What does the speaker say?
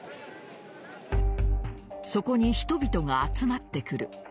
そこに人々が集まってくる。